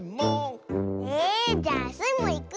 えじゃあスイもいく。